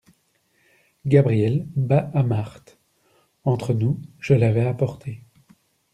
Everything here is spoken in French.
Gabriel bas à Marthe. — Entre nous, je l’avais apporté.